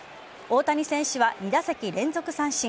大谷選手は２打席連続三振。